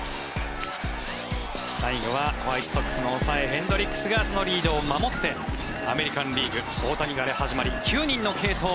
最後はホワイトソックスの抑えヘンドリックスがそのリードを守ってアメリカン・リーグ大谷から始まり９人の継投。